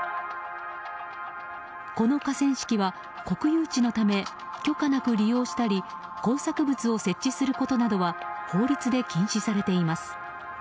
この河川敷は国有地のため許可なく利用したり工作物を設置することなどは法律で禁止されています。